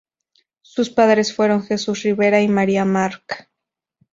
Sus padres fueron Jesús Rivera y María Marc.